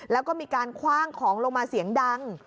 แล้วก็มีการคว่างของลงมาเสียงดัง